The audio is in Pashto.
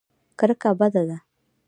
کرکه بده ده.